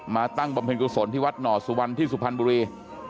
ตั้งบำเพ็ญกุศลที่วัดหน่อสุวรรณที่สุพรรณบุรี